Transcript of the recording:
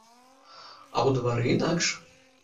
А ў двары інакш.